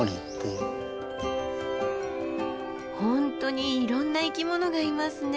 本当にいろんな生き物がいますね。